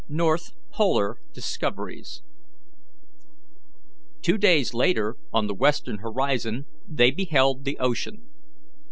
NORTH POLAR DISCOVERIES. Two days later, on the western horizon, they beheld the ocean.